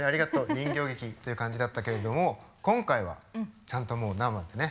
人形劇っていう感じだったけれども今回はちゃんと生でね。